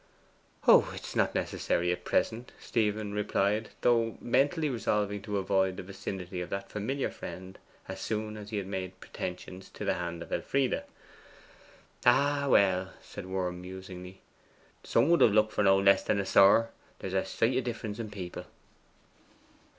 'Oh, it is not necessary at present,' Stephen replied, though mentally resolving to avoid the vicinity of that familiar friend as soon as he had made pretensions to the hand of Elfride. 'Ah, well,' said Worm musingly, 'some would have looked for no less than a Sir. There's a sight of difference in people.